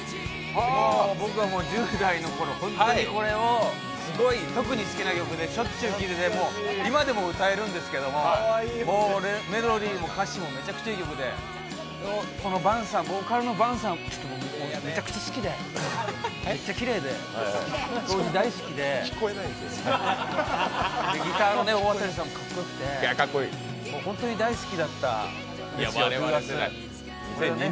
もう僕は１０代のころ、特に好きな曲でしょっちゅう聴いてて、今でも歌えるんですけどメロディーも歌詞もめちゃくちゃいい曲でほーかるの伴さん、僕、めちゃくちゃ好きでめっちゃきれいで、当時大好きでギターの大渡さんもかっこよくて本当に大好きだったＤｏＡｓＩｎｆｉｎｉｔｙ。